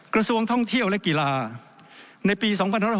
กระทรวงท่องเที่ยวและกีฬาในปี๒๕๖๐